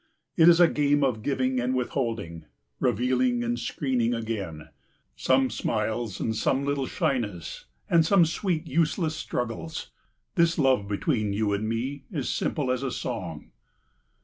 It is a game of giving and withholding, revealing and screening again; some smiles and some little shyness, and some sweet useless struggles. This love between you and me is simple as a song.